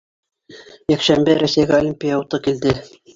Йәкшәмбе Рәсәйгә Олимпия уты килде.